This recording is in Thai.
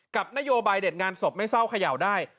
กับนโยบายเดชงานสบไม่เศร้าขยาวได้